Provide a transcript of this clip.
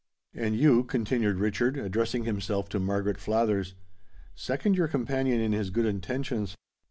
"And you," continued Richard, addressing himself to Margaret Flathers, "second your companion in his good intentions.